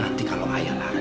nanti kalau ayah lari